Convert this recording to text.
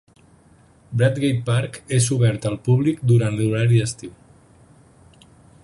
Bradgate Park és obert al públic durant l'horari d'estiu.